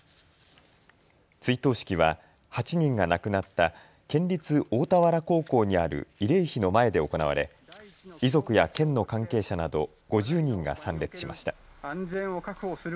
追悼式は８人が亡くなった県立大田原高校にある慰霊碑の前で行われ、遺族や県の関係者など５０人が参列しました。